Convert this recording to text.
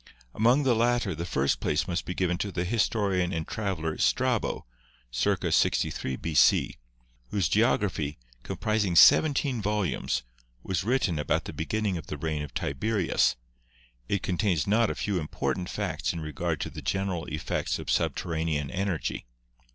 Among the latter the first place must be given to the his torian and traveler Strabo (circa 63 B.C.), whose geogra phy, comprising seventeen volumes, was written about the beginning of the reign of Tiberius. It contains not a few important facts in regard to the general effects of subter ranean energy.